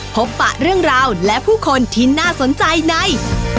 ปะเรื่องราวและผู้คนที่น่าสนใจใน